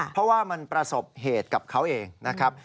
เพราะว่ามันประสบเหตุกับเขาเองนะครับ